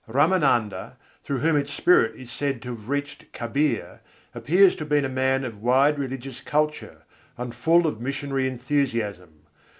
Râmânanda, through whom its spirit is said to have reached Kabîr, appears to have been a man of wide religious culture, and full of missionary enthusiasm.